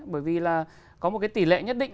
bởi vì là có một tỷ lệ nhất định